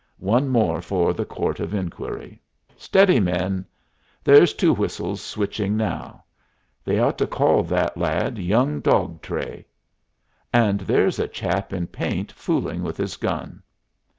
One more for the court of inquiry. Steady, men! There's Two Whistles switching now. They ought to call that lad Young Dog Tray. And there's a chap in paint fooling with his gun.